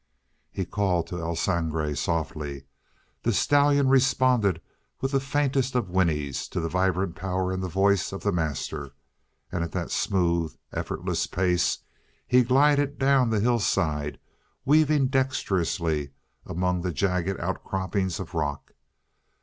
He called to El Sangre softly. The stallion responded with the faintest of whinnies to the vibrant power in the voice of the master; and at that smooth, effortless pace, he glided down the hillside, weaving dexterously among the jagged outcroppings of rock.